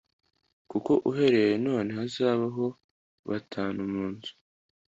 Kuko uhereye none hazabaho batanu mu nzu